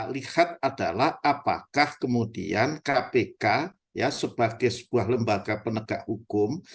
lihat adalah apakah kemudian kpk sebagai sebuah lembaga penegak hukum